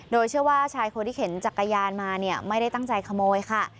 โดยเชื่อว่าชายคนที่เข็นจักรยานมาเนี่ยไม่ได้ตั้งใจขโมยค่ะ